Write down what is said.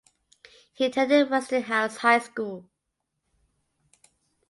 He attended Westinghouse High School.